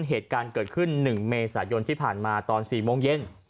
เหตุการณ์เกิดขึ้น๑เมษายนที่ผ่านมาตอน๔โมงเย็น